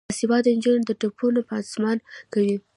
باسواده نجونې د ټپونو پانسمان کوي.